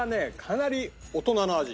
かなり大人の味。